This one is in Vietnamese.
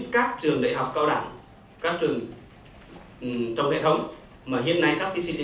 các trường công an quân đội cũng không có ngoại lệ